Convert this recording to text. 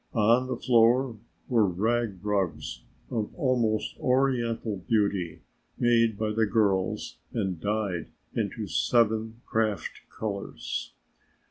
On the floor were rag rugs of almost oriental beauty made by the girls and dyed into seven craft colors.